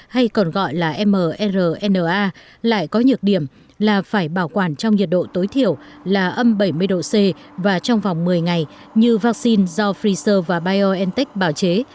hay còn gọi là mrna lại có nhược điểm là phải bảo quản trong nhiệt độ tối thiểu là âm bảy mươi độ c và trong vòng một mươi ngày như vaccine do pfizer và biontech bảo chế